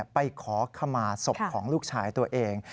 ไปขอขมาศพของลูกชายตัวเอง